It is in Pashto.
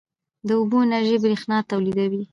د اوبو انرژي برښنا تولیدوي